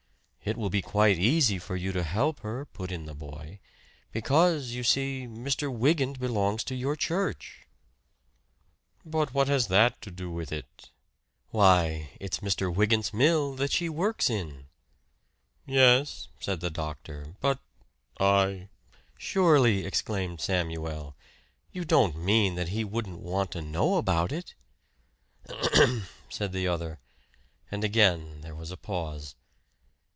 "It will be quite easy for you to help her," put in the boy; "because, you see, Mr. Wygant belongs to your church!" "But what has that to do with it?" "Why it's Mr. Wygant's mill that she works in." "Yes," said the doctor. "But I " "Surely," exclaimed Samuel, "you don't mean that he wouldn't want to know about it!" "Ahem!" said the other; and again there was a pause.